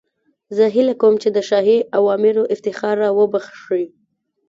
زه هیله کوم چې د شاهي اوامرو افتخار را وبخښئ.